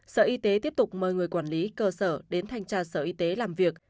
sở y tế tiếp tục mời người quản lý cơ sở đến thanh tra sở y tế làm việc